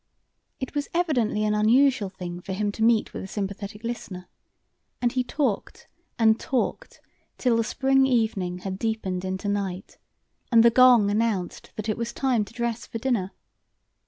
It was evidently an unusual thing for him to meet with a sympathetic listener, and he talked and talked until the spring evening had deepened into night, and the gong announced that it was time to dress for dinner.